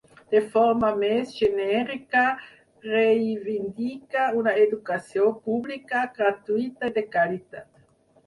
De forma més genèrica reivindica una educació pública, gratuïta i de qualitat.